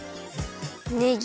ねぎ。